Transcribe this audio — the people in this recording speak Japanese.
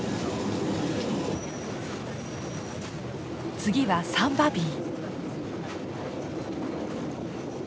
次はサンバビー。